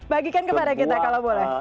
bagikan kepada kita kalau boleh